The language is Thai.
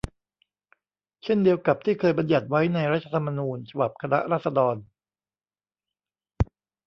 เช่นเดียวกับที่เคยบัญญัติไว้ในรัฐธรรมนูญฉบับคณะราษฎร